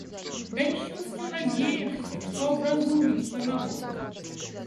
Да еще всё надеешься, что образумится народ.